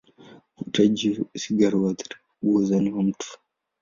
Uvutaji sigara huathiri pakubwa uzani wa mtu.